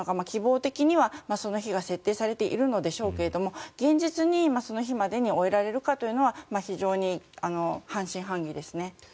希望的にはその日が設定されているんでしょうけど現実にその日までに終えられるかというのは非常に半信半疑です。